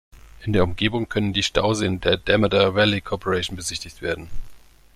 In der Umgebung können die Stauseen der Damodar Valley Corporation besichtigt werden.